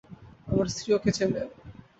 আমার স্ত্রী ওকে চেনে।